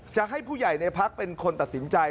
จะให้ผู้ใหญ่ในพักเป็นคนตัดสินใจ